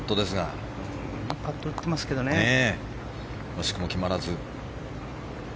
惜しくも決まらず。